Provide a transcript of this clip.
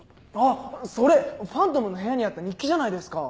それファントムの部屋にあった日記じゃないですか。